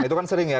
itu kan sering ya